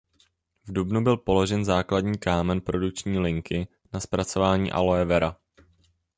V dubnu byl položen základní kámen produkční linky na zpracování Aloe Vera.